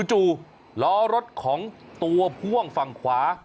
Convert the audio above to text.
จู่ล้อรถของตัวพ่วงฝั่งขวา